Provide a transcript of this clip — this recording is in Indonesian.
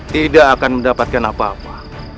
tidak akan mendapatkan apa apa